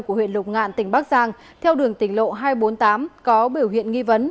của huyện lục ngạn tỉnh bắc giang theo đường tỉnh lộ hai trăm bốn mươi tám có biểu hiện nghi vấn